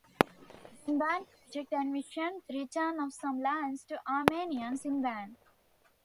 The Van Project envisioned the return of some lands to Armenians in Van.